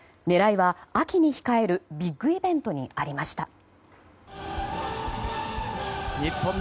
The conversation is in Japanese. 狙いは秋に控えるビッグイベントにありました。